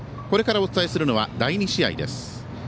これからお伝えするのは第２試合です。